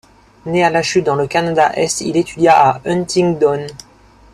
Né à Lachute dans le Canada-Est, il étudia à Huntingdon.